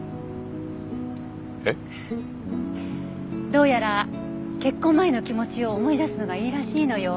どうやら結婚前の気持ちを思い出すのがいいらしいのよ。